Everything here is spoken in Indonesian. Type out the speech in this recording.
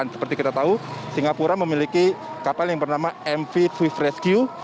dan seperti kita tahu singapura memiliki kapal yang bernama mv swift rescue